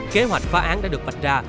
kế hoạch phá án đã được vạch ra